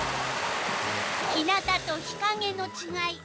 日なたと日かげのちがい。